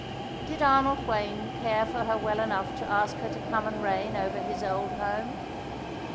Did Arnold Wayne care for her well enough to ask her to come and reign over his old home?